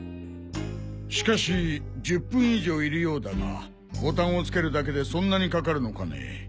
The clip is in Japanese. しかし１０分以上いるようだがボタンを付けるだけでそんなにかかるのかね？